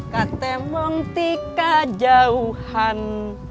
katemong tika jauhan